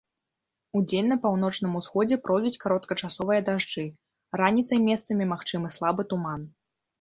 Удзень на паўночным усходзе пройдуць кароткачасовыя дажджы, раніцай месцамі магчымы слабы туман.